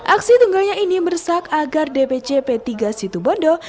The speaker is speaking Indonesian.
aksi tunggalnya ini bersahak agar dpc p tiga situbondo